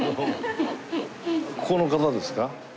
ここの方ですか？